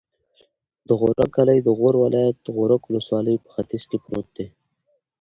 د غورک کلی د غور ولایت، غورک ولسوالي په ختیځ کې پروت دی.